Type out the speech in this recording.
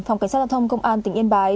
phòng cảnh sát giao thông công an tỉnh yên bái